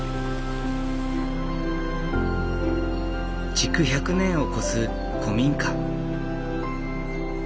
築１００年を超す古民家。